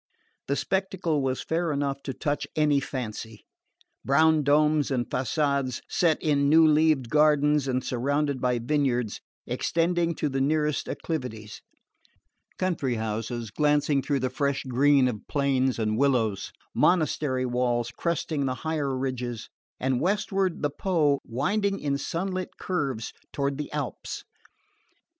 The spectacle was fair enough to touch any fancy: brown domes and facades set in new leaved gardens and surrounded by vineyards extending to the nearest acclivities; country houses glancing through the fresh green of planes and willows; monastery walls cresting the higher ridges; and westward the Po winding in sunlit curves toward the Alps.